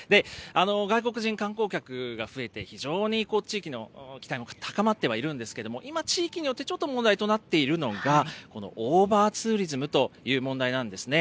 外国人観光客が増えて、非常に地域の期待も高まってはいるんですけど、今、地域によってちょっと問題となっているのが、このオーバーツーリズムという問題なんですね。